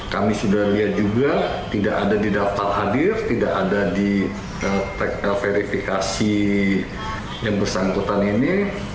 kami sudah lihat juga tidak ada di daftar hadir tidak ada di verifikasi yang bersangkutan ini